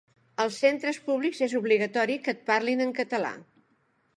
Als centres públics és obligatori que et parlin en català.